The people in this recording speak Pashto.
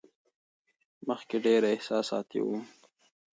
مخکې ډېره احساساتي وم.